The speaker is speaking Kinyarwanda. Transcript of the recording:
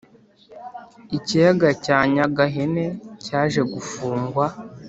Ikiyaga cya nyagahene cyaje gufungwa